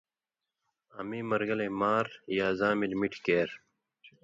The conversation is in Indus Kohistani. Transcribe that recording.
آں میں مرگلئ مار یا زاں ملیۡ مِٹھیۡ کېر،